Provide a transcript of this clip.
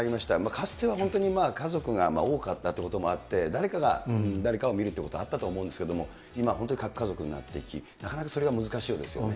かつては本当に家族が多かったということもあって、誰かが誰かを見るということはあったと思うんですけれども、今、本当に核家族になってなかなかそれが難しいようですよね。